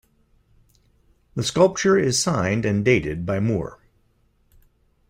The sculpture is signed and dated by Moore.